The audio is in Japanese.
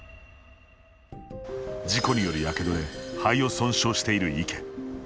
事故による、やけどで肺を損傷している池。